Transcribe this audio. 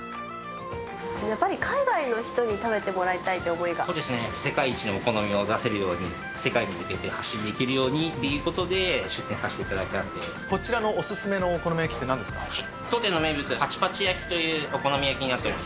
やっぱり海外の人に食べてもらいそうですね、世界一のお好みを出せるように世界に向けて発信できるようにということで、こちらのお勧めのお好み焼き当店の名物、パチパチ焼というお好み焼きになっております。